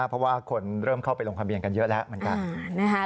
เพราะว่าคนเริ่มเข้าไปลงทะเบียนกันเยอะแล้วเหมือนกัน